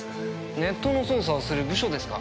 ネットの捜査をする部署ですか？